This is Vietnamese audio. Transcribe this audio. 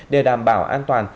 để đảm bảo an toàn